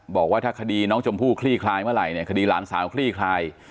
บอกว่าถ้าคดีน้องชมพู่คลี่คลายเมื่อไหร่เนี่ยคดีหลานสาวคลี่คลาย